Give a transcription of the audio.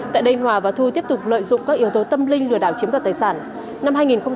tại đây hòa và thu tiếp tục lợi dụng các yếu tố tâm linh lừa đảo chiếm đoạt tài sản